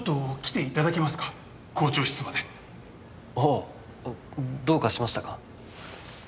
あどうかしましたか？